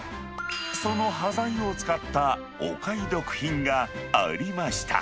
その端材を使ったお買い得品がありました。